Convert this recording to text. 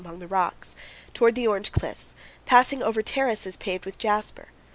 209 among the rocks, toward the Orange Cliffs, passing over terraces paved with jasper.